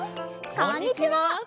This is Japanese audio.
こんにちは！